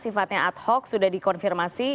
sifatnya ad hoc sudah dikonfirmasi